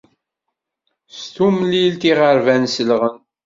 S tumlilt iɣerban selɣen.